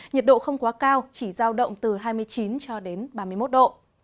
nhiệt độ không quá cao chỉ giao động từ hai mươi chín cho đến ba mươi một độ